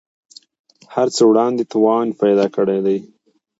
تر هر څه وړاندې توان پیدا کړی دی